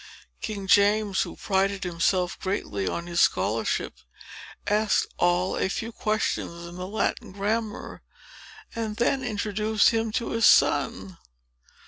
King James, who prided himself greatly on his scholarship, asked Noll a few questions in the Latin Grammar, and then introduced him to his son.